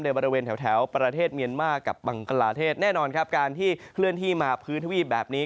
บริเวณแถวประเทศเมียนมาร์กับบังกลาเทศแน่นอนครับการที่เคลื่อนที่มาพื้นทวีปแบบนี้